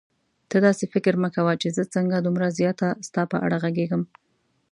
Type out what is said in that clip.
ته داسې فکر مه کوه چې زه څنګه دومره زیاته ستا په اړه غږېږم.